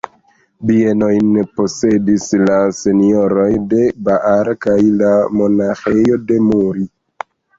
Bienojn posedis la Senjoroj de Baar kaj la Monaĥejo de Muri.